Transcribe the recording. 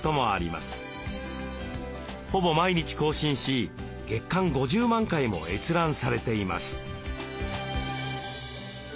ほぼ毎日更新し月間５０万回も閲覧されています。